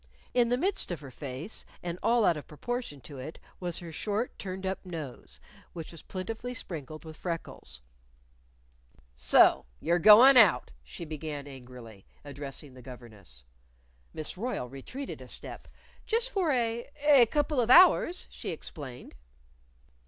In the midst of her face, and all out of proportion to it, was her short turned up nose, which was plentifully sprinkled with freckles. "So you're goin' out?" she began angrily, addressing the governess. Miss Royle retreated a step. "Just for a a couple of hours," she explained.